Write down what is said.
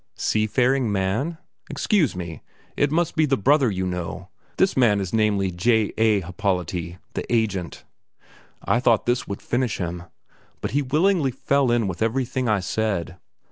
"Sea faring man? Excuse me, it must be the brother you know; this man is namely J. A. Happolati, the agent." I thought this would finish him; but he willingly fell in with everything I said.